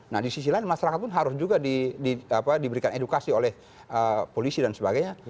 nah di sisi lain masyarakat pun harus juga diberikan edukasi oleh polisi dan sebagainya